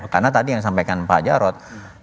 karena tadi yang sampaikan pak jarod